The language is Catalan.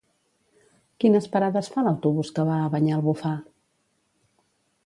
Quines parades fa l'autobús que va a Banyalbufar?